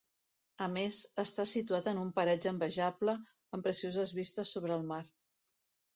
A més, està situat en un paratge envejable amb precioses vistes sobre el mar.